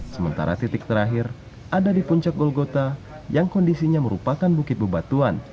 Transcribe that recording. sementara titik terakhir ada di puncak golgota yang kondisinya merupakan bukit bebatuan